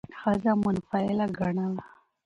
ښځه منفعله ګڼله،